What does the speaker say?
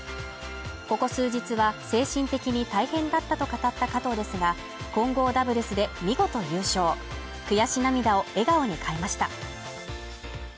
ここ数日は精神的に大変だったと語った加藤ですが、混合ダブルスで見事優勝悔し涙を笑顔に変えました。